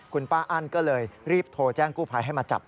คุณป้าอั้นก็เลยรีบโทรแจ้งกู้ภัยให้มาจับ